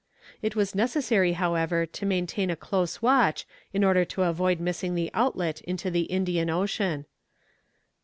It was necessary, however, to maintain a close watch in order to avoid missing the outlet into the Indian Ocean.